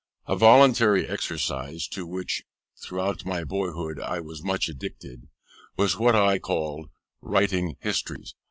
A voluntary exercise, to which throughout my boyhood I was much addicted, was what I called writing histories.